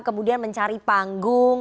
kemudian mencari panggung